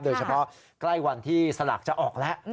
โดยเฉพาะใกล้วันที่สลากจะออกแล้ว